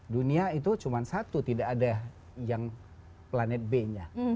dunia itu cuma satu tidak ada yang planet b nya